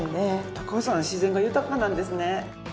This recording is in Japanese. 高尾山自然が豊かなんですね。